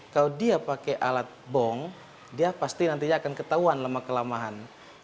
kalau dia pakai alat bong dia pasti nantinya akan ketahuan lama kelamaan